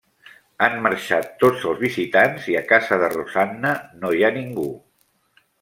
Han marxat tots els visitants i a casa de Rosanna no hi ha ningú.